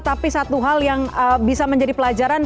tapi satu hal yang bisa menjadi pelajaran